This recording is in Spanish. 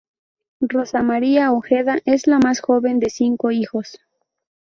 Rosa María Ojeda es la más joven de cinco hijos.